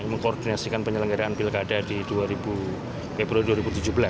mengkoordinasikan penyelenggaraan pilkada di februari dua ribu tujuh belas